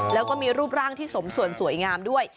แล้วก็มีรูปร่างที่สมส่วนสวยงามด้วย